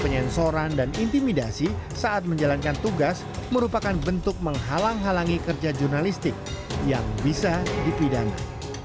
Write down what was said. penyensoran dan intimidasi saat menjalankan tugas merupakan bentuk menghalang halangi kerja jurnalistik yang bisa dipidana